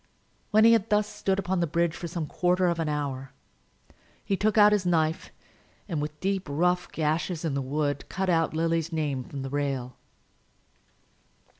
When he had thus stood upon the bridge for some quarter of an hour, he took out his knife, and, with deep, rough gashes in the wood, cut out Lily's name from the rail.